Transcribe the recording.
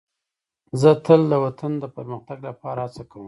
زه تل د وطن د پرمختګ لپاره هڅه کوم.